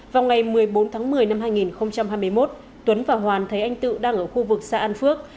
vào ngày một mươi bốn tháng một mươi năm hai nghìn hai mươi một tuấn và hoàn thấy anh tự đang ở khu vực xa an phước